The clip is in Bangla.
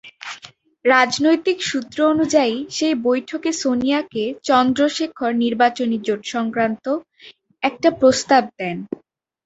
রাজনৈতিক সূত্র অনুযায়ী, সেই বৈঠকে সোনিয়াকে চন্দ্রশেখর নির্বাচনী জোটসংক্রান্ত একটা প্রস্তাব দেন।